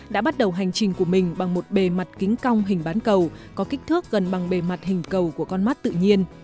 đã bắt đầu hành trình của mình bằng một bề mặt kính cong hình bán cầu có kích thước gần bằng bề mặt hình cầu của con mắt tự nhiên